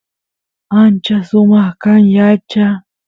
ancha sumaq kan yacha